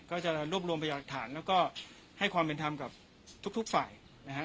ก็จะรวบรวมพยาหลักฐานแล้วก็ให้ความเป็นธรรมกับทุกฝ่ายนะฮะ